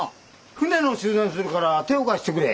船の修繕するから手を貸してくれ。